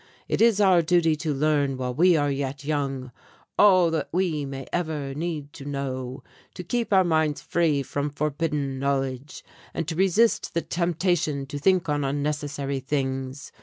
It is our duty to learn while we are yet young all that we may ever need to know, to keep our minds free from forbidden knowledge and to resist the temptation to think on unnecessary things.